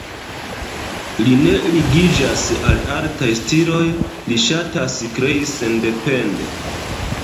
Li ne ligiĝas al artaj stiloj, li ŝatas krei sendepende.